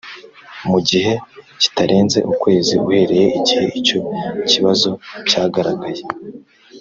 mu gihe kitarenze ukwezi uhereye igihe icyo kibazo cyagaragaye